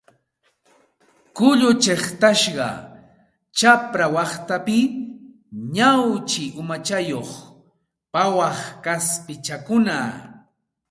Kullu chiqtasqa, chapra waqtaypi ñawchi umachayuq pawaq kaspichakuna